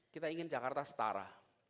kita ingin jakarta setara